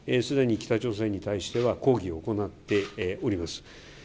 すでに北朝鮮に対しては、抗議を行っております。